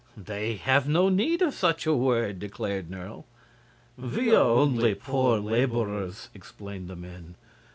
"They have no need of such a word," declared Nerle. "We are only poor laborers," explained the men.